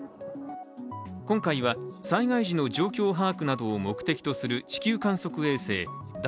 今回は災害時の状況把握などを目的とする地球観測衛星「だ